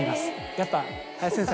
やっぱ林先生